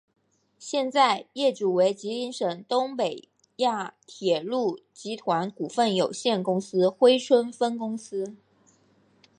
现在业主为吉林省东北亚铁路集团股份有限公司珲春分公司。